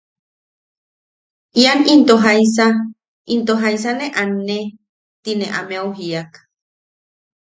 –Ian into jaisa into ne anne. Ti ne ameu jiiak.